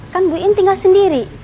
kan buin tinggal sendiri